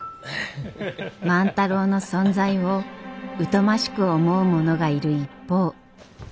万太郎の存在を疎ましく思う者がいる一方。